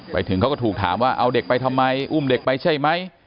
ไปถึงเขาก็ถูกถามว่าเอาเด็กไปทำไมอุ้มเด็กไปใช่ไหม